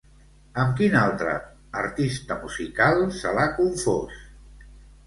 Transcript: Amb quin altre artista musical se l'ha confós?